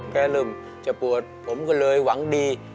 แค่ลืมจะปวดผมก็เลยหวังดี